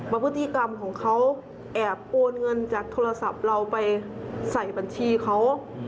พฤติกรรมของเขาแอบโอนเงินจากโทรศัพท์เราไปใส่บัญชีเขา